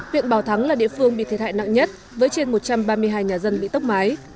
huyện bảo thắng là địa phương bị thiệt hại nặng nhất với trên một trăm ba mươi hai nhà dân bị tốc mái